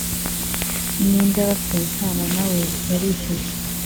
imyenda y abafitanye isano nawe yarishyuwe